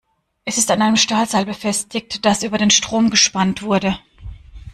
Es ist an einem Stahlseil befestigt, das über den Strom gespannt wurde.